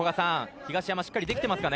東山、しっかりできてますかね。